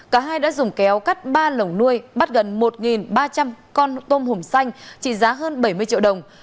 cả hai đã dùng kéo cắt ba lồng nuôi bắt gần một ba trăm linh con tôm hùm xanh trị giá hơn bảy mươi triệu đồng